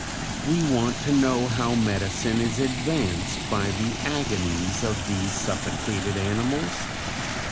We want to know how medicine is advanced by the agonies of these suffocated animals?